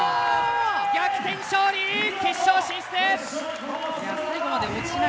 逆転勝利決勝進出！